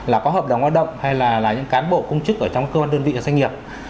là có hợp đồng lao động hay là những cán bộ công chức ở trong cơ quan đơn vị và doanh nghiệp